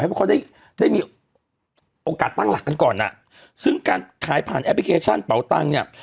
เพราะเขาได้ได้มีโอกาสตั้งหลักกันก่อนอ่ะซึ่งการขายผ่านแอปพลิเคชันเป่าตังค์เนี่ย